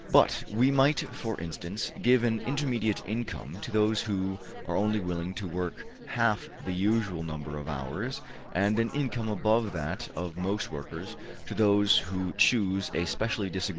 But we might, for instance, give an intermediate income to those who are only willing to work half the usual number of hours, and an income above that of most workers to those who choose a specially disagreeable trade.